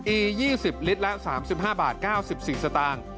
อี๒๐ลิตรละ๓๕บาท๙๔สตางค์